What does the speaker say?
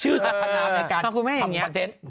ชื่อสัมพานาธุในการทำความเท็จ